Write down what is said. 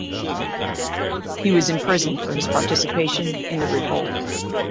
He was imprisoned for his participation in the revolt.